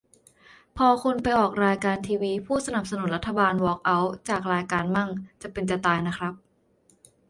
พอคนไปออกรายการทีวีพูดสนับสนุนรัฐบาลวอล์กเอาท์จากรายการมั่ง จะเป็นจะตายนะครับ